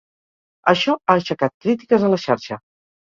Això ha aixecat crítiques a la xarxa.